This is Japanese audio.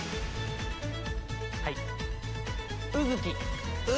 はい。